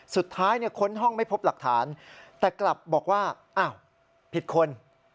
ค้นห้องไม่พบหลักฐานแต่กลับบอกว่าอ้าวผิดคน